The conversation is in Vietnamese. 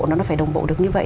nó phải đồng bộ được như vậy